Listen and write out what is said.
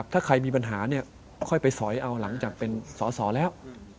ถ้าใครมีปัญหาค่อยไปซอยเอาหลังจากเป็นสหะแล้ว